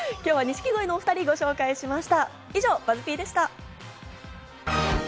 今日は錦鯉のお２人をご紹介しました。